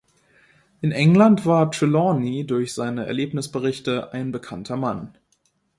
In England war Trelawny durch seine Erlebnisberichte ein bekannter Mann.